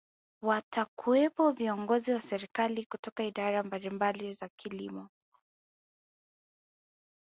watakuwepo viongozi wa serikali kutoka idara mbalimbali za kilimo